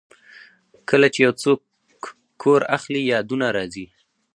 کله چې یو څوک کور اخلي، یادونه راځي.